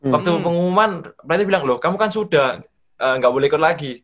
waktu pengumuman berarti bilang loh kamu kan sudah nggak boleh ikut lagi